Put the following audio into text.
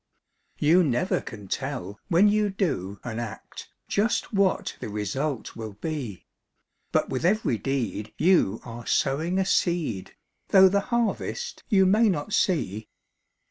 You never can tell when you do an act Just what the result will be; But with every deed you are sowing a seed, Though the harvest you may not see.